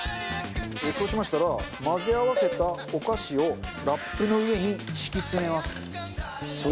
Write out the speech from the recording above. そうしましたら混ぜ合わせたお菓子をラップの上に敷き詰めます。